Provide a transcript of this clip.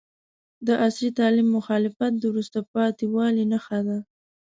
د عصري تعلیم مخالفت د وروسته پاتې والي نښه ده.